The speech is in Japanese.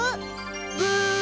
ブー！